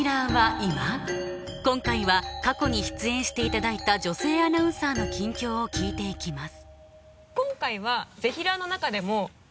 今回は過去に出演していただいた女性アナウンサーの近況を聞いていきます